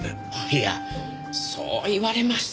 いやそう言われましても。